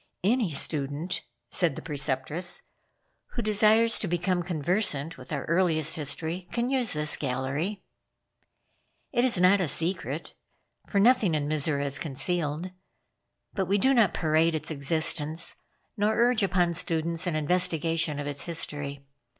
"Any student," said the Preceptress, "who desires to become conversant with our earliest history, can use this gallery. It is not a secret, for nothing in Mizora is concealed; but we do not parade its existence, nor urge upon students an investigation of its history.